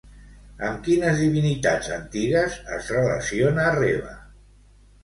Amb quines divinitats antigues es relaciona Reva?